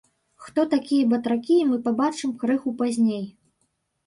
Хто такія батракі, мы пабачым крыху пазней.